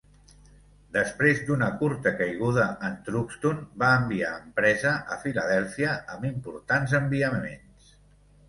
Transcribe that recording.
Després d'una curta caiguda en Truxtun va enviar "empresa" a Filadèlfia amb importants enviaments.